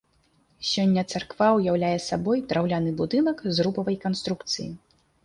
Сёння царква ўяўляе сабой драўляны будынак, зрубавай канструкцыі.